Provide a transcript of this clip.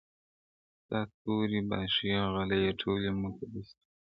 • ستا توري باښې غلیمه ټولي مقدسي دي,